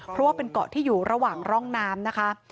เพราะว่าเป็นเกาะที่อยู่ระหว่างร่องน้ำนะคะ